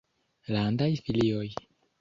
landaj filioj.